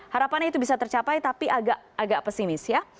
harapannya itu bisa tercapai tapi agak pesimis ya